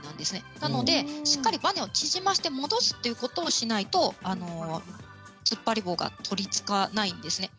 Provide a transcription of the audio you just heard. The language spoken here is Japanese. なのでしっかりバネを縮ませて戻すことをしないとつっぱり棒は取り付けられないんです。